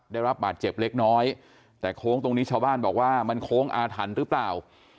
ได้รับบาดเจ็บเล็กน้อยแต่โค้งตรงนี้ชาวบ้านบอกว่ามันโค้งอาถรรพ์หรือเปล่า